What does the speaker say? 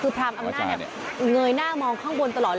คือพรามอำนาจเงยหน้ามองข้างบนตลอดเลย